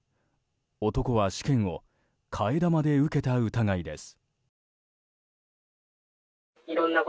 男は試験を替え玉で受けた疑いです。